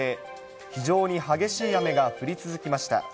非常に激しい雨が降り続きました。